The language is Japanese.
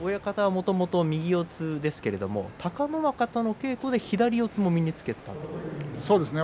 もともと右四つですけれども隆乃若との稽古で左四つを身につけたんですか。